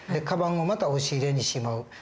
カバンをまた押し入れにしまう。